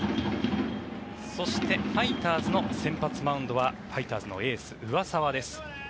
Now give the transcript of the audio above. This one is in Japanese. そしてファイターズの先発マウンドはファイターズのエース上沢です。